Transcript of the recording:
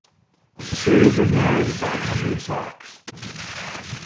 The series was narrated by Andrew Sachs.